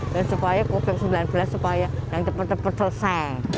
dan supaya covid sembilan belas supaya yang tepat tepat selesai